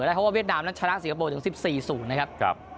เพราะว่าเวียดนามนั้นชนะสิงคโปร์ถึง๑๔๐นะครับ